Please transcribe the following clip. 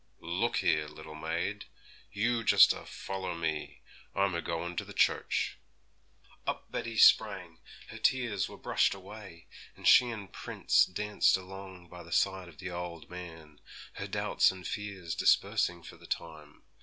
'Look here, little maid; you just a foller me: I'm a goin' to the church.' Up Betty sprang, her tears were brushed away; and she and Prince danced along by the side of the old man, her doubts and fears dispersing for the time.